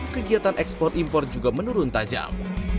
kegiatan ekspor impor juga menurun tajam